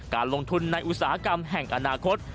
การลงทุนในอุตสาหกรรมแห่งอนาคต